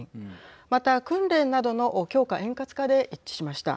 また訓練などの強化円滑化で一致しました。